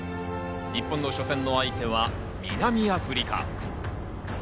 日本の初戦の相手は南アフリカ。